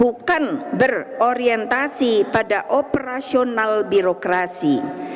bukan berorientasi pada operasional birokrasi